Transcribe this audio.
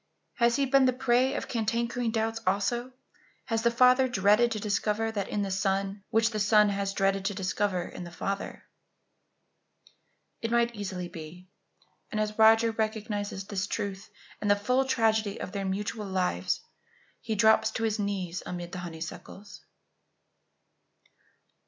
Has he been the prey of cankering doubts also? Has the father dreaded to discover that in the son which the son has dreaded to discover in the father? It might easily be; and as Roger recognizes this truth and the full tragedy of their mutual lives, he drops to his knees amid the honeysuckles.